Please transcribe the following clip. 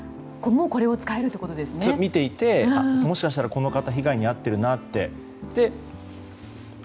周りで見ていてもしかしたらこの方、被害に遭っているなと。